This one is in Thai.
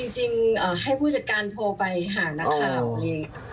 จริงให้ผู้จัดการโทรไปหานักข่าวเอง